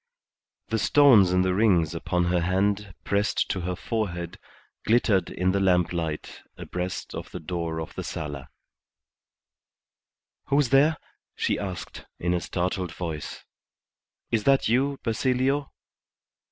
The stones in the rings upon her hand pressed to her forehead glittered in the lamplight abreast of the door of the sala. "Who's there?" she asked, in a startled voice. "Is that you, Basilio?"